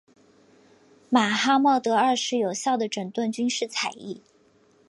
马哈茂德二世有效地整顿军事采邑。